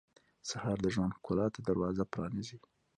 سهار د ژوند ښکلا ته دروازه پرانیزي.